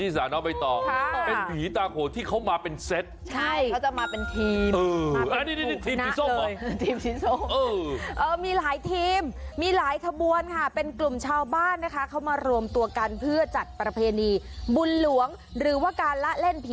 สร้างเราได้บินต่อมีคุณนึกจะโชคกันให้ผลต่อ